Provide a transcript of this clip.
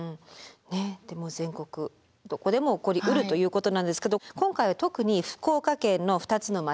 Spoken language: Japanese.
でも全国どこでも起こりうるということなんですけど今回は特に福岡県の２つの町。